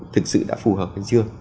thực sự đã phù hợp hay chưa